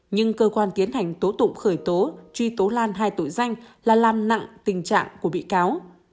nhưng cơ quan tiến hành tố tụng khởi tố truy tố lan hai tội danh là làm nặng tình trạng của bị cáo